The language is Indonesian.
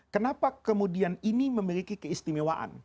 kenapa kemudian ini memiliki keistimewaan